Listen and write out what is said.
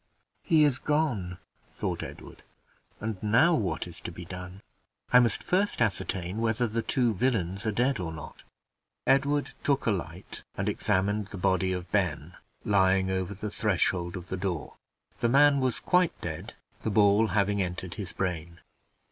"He is gone!" thought Edward, "and now what is to be done? I must first ascertain whether the two villains are dead or not. Edward took a light and examined the body of Ben, lying over the threshold of the door; the man was quite dead, the ball having entered his brain.